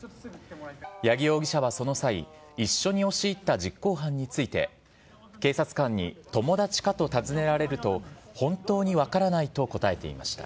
八木容疑者はその際、一緒に押し入った実行犯について、警察官に友達かと尋ねられると、本当に分からないと答えていました。